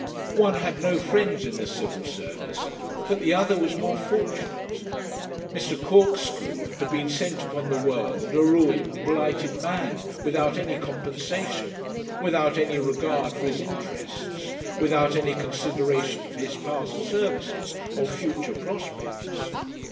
One had no friends in the Civil Service, but the other was more fortunate. Mr. Corkscrew had been sent upon the world a ruined, blighted man, without any compensation, without any regard for his interests, without any consideration for his past services or future prospects.